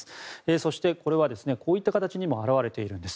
そして、こういった形にも表れているんです。